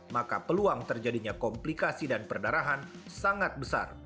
maka peluang terjadinya komplikasi dan perdarahan sangat besar